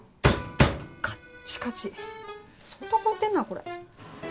カッチカチ相当凍ってんなこれ。